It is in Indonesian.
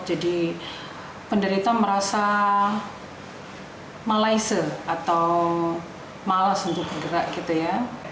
jadi penderita merasa malaisa atau malas untuk bergerak gitu ya